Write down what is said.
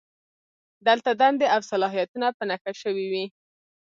دلته دندې او صلاحیتونه په نښه شوي وي.